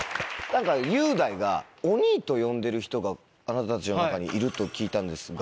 雄大が「お兄」と呼んでる人があなたたちの中にいると聞いたんですが。